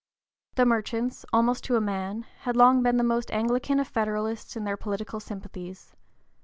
The merchants, almost to a man, had long been the most Anglican of Federalists in their political sympathies.